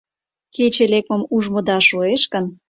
Кече лекмым ужмыда шуэш гын